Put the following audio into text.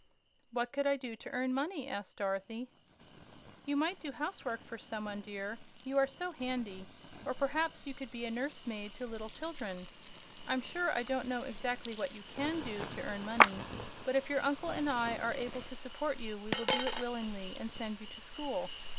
"What could I do to earn money?" asked Dorothy. "You might do housework for some one, dear, you are so handy; or perhaps you could be a nurse maid to little children. I'm sure I don't know exactly what you CAN do to earn money, but if your uncle and I are able to support you we will do it willingly, and send you to school.